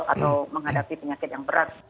atau menghadapi penyakit yang berat